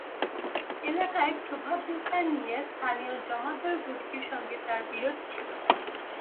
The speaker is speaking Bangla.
এলাকায় প্রভাব বিস্তার নিয়ে স্থানীয় জমাদ্দার গোষ্ঠীর সঙ্গে তাঁর বিরোধ ছিল।